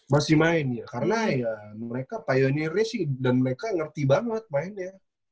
masih main ya karena ya mereka payonya racing dan mereka ngerti banget mainnya